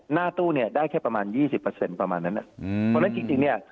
หน้าตู้เนี่ยได้แค่ประมาณ๒๐ประมาณนั้นนะเพราะฉะนั้นจริงเนี่ย